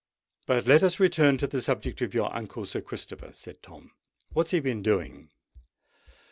"But let us return to the subject of your uncle Sir Christopher," said Tom. "What has he been doing?"